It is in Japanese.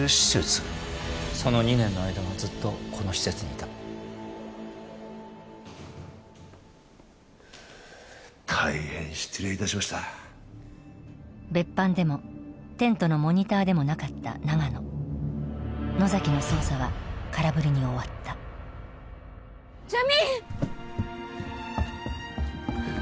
その２年の間はずっとこの施設にいた大変失礼いたしました別班でもテントのモニターでもなかった長野野崎の捜査は空振りに終わったジャミーン！